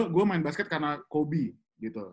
gue main basket karena kobe gitu loh